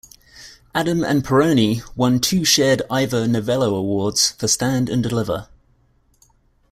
Adam and Pirroni won two shared Ivor Novello Awards for "Stand and Deliver".